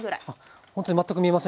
ほんとに全く見えませんね。